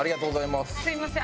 すいません